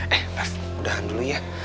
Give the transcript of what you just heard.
eh ref mudahan dulu ya